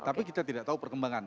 tapi kita tidak tahu perkembangan